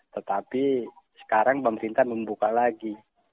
tetapi sekarang pemerintah membuka lagi